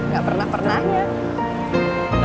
gak pernah pernah ya